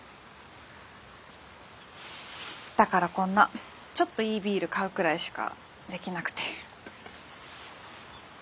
だからこんなちょっといいビール買うくらいしかできなくて。